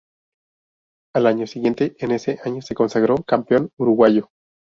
Al año siguiente en ese año se consagró Campeón uruguayo.